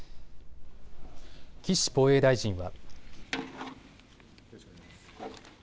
岸防衛大臣は。